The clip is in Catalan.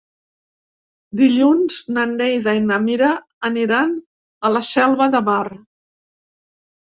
Dilluns na Neida i na Mira aniran a la Selva de Mar.